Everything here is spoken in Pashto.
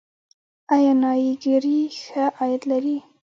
آیا نایي ګري ښه عاید لري؟